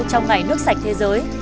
trong ngày nước sạch thế giới